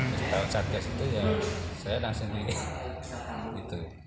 setelah saat kes itu ya saya langsung pergi